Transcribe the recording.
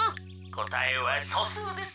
「こたえはそすうです」。